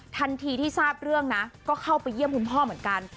ทันทีที่ทราบเรื่องนะก็เข้าไปเยี่ยมคุณพ่อเหมือนกัน